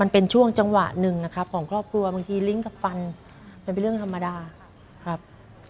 เป็นช่วงจังหวะหนึ่งนะครับของครอบครัวบางทีลิงก์กับฟันมันเป็นเรื่องธรรมดาครับ